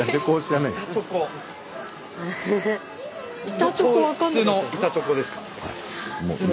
板チョコ普通の板チョコですか？